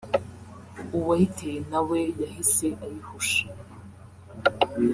uwayiteye nawe yahise ayihusha